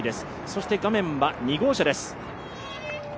そして画面は２号車です。